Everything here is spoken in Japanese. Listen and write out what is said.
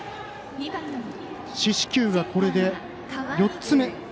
四死球が、これで４つ目。